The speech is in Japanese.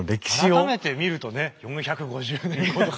改めて見るとね「４５０年後」とか。